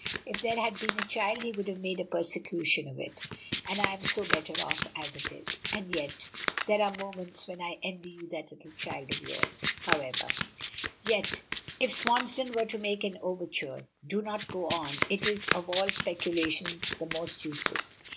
If there had been a child he would have made a persecution of it and so I am better off as it is. And yet, there are moments when I envy you that little child of yours. However " "Yet if Swansdown were to make an overture " "Do not go on. It is of all speculations the most useless.